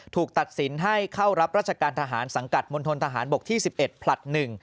ถูกตัดสินให้เข้ารับราชการทหารสังกัดมณฑนทหารบกที่๑๑ผลัด๑